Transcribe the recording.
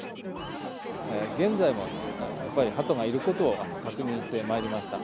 現在もやっぱりハトがいることを確認してまいりました。